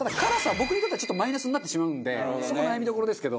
僕にとってはちょっとマイナスになってしまうんでそこ悩みどころですけど。